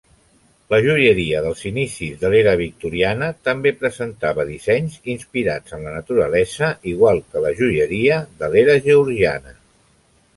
La joieria dels inicis de l'era victoriana també presentava dissenys inspirats en la naturalesa, igual que la joieria de l'era georgiana.